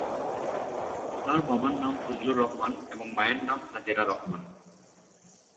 তার বাবার নাম ফজলুর রহমান এবং মায়ের নাম হাজেরা রহমান।